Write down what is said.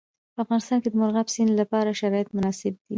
په افغانستان کې د مورغاب سیند لپاره شرایط مناسب دي.